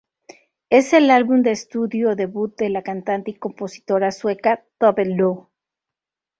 Es el álbum de estudio debut de la cantante y compositora sueca Tove Lo.